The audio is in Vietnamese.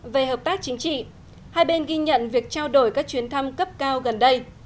về hợp tác chính trị hai bên ghi nhận việc trao đổi các chuyến thăm cấp cao gần đây